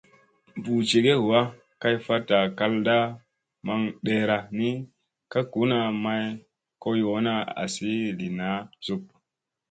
Buu njege ɦuwa ,kay fatta kal nda maŋ deera ni ,ka guna may, go yoona azi li naa zuk.